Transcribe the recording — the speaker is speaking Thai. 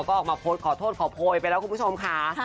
ก็ออกมาโพสต์ขอโทษขอโพยไปแล้วคุณผู้ชมค่ะ